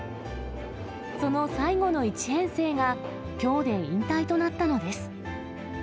その最後の１編成がきょうで引退となったのです。